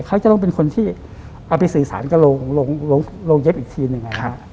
เขาจะต้องเป็นคนที่เอาไปสื่อสารกับโรงเย็บอีกทีหนึ่ง